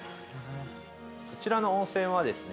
こちらの温泉はですね